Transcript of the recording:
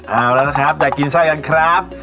เอาละนะครับเดี๋ยวกินไส้กันครับ